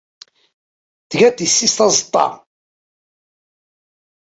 Tga-d tisist azeṭṭa.